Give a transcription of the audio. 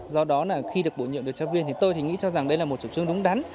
do đó là khi được bổ nhiệm được cho viên thì tôi thì nghĩ cho rằng đây là một chủ trương đúng đắn